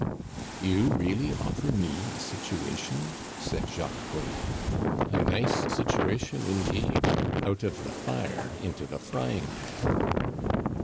"You really offer me a situation?" said Jacques Collin. "A nice situation indeed! out of the fire into the frying pan!"